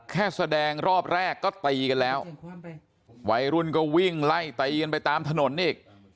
แค่แสดงรอบแรกก็ตีกันแล้ววัยรุ่นก็วิ่งไล่ตีกันไปตามถนนอีก